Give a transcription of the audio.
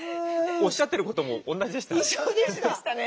おっしゃってることも同じでしたね。